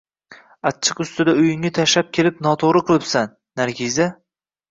Achchiq ustida uyingni tashlab kelib noto`g`ri qilibsan, Nargiza